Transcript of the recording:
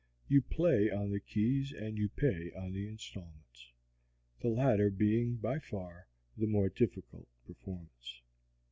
You play on the keys and pay on the installments the latter being by far the more difficult performance.